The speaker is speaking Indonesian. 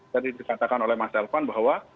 tadi dikatakan oleh mas elvan bahwa